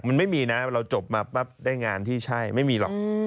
มันไม่มีนะเราจบมาปั๊บได้งานที่ใช่ไม่มีหรอก